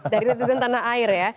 dari netizen tanah air ya